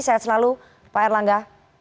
sehat selalu pak erlangga